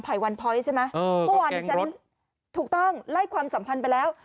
ไผวันพอยส์ใช่ไหมเออก็แกล้งรถถูกต้องไล่ความสัมภัณฑ์ไปแล้ว